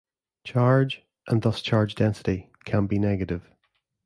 Charge, and thus charge density, can be negative.